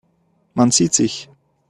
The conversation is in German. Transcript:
Man sieht sich.